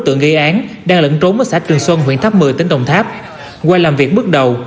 tượng gây án đang lẫn trốn ở xã trường xuân huyện tháp một mươi tỉnh đồng tháp qua làm việc bước đầu